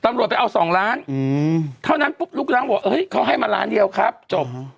ตำรวจไปเอาสองล้านเท่านั้นปุ๊บลูกล้างบอกเฮ้ยเขาให้มาล้านเดียวครับจบ